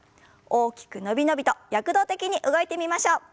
大きく伸び伸びと躍動的に動いてみましょう。